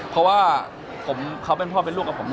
เพราะว่าเขาเป็นพ่อเป็นลูกกับผม